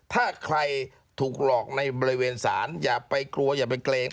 ถ้าใครถูกหลอกในบริเวณศาลอย่าไปกลัวอย่าไปเกรง